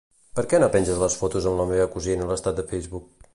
Per què no penges les fotos amb la meva cosina a l'estat de Facebook?